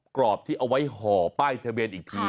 กรอบที่เอาไว้ห่อป้ายทะเบียนอีกที